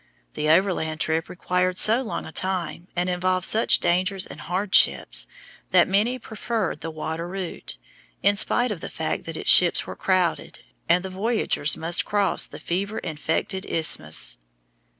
The overland trip required so long a time, and involved such dangers and hardships, that many preferred the water route, in spite of the fact that its ships were crowded, and the voyagers must cross the fever infected Isthmus.